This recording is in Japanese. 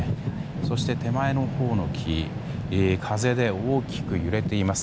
そして、手前のほうの木風で大きく揺れています。